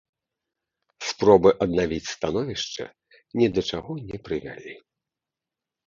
Спробы аднавіць становішча ні да чаго не прывялі.